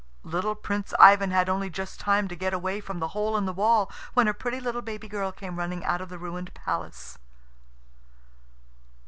Little Prince Ivan had only just time to get away from the hole in the wall when a pretty little baby girl came running out of the ruined palace.